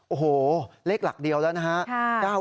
โอ้โหเลขหลักเดียวแล้วนะฮะ